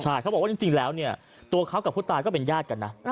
ใช่เขาบอกว่าจริงแล้วเนี่ยตัวเขากับผู้ตายก็เป็นญาติกันนะ